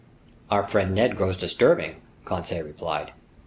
"Our friend Ned grows disturbing," Conseil replied.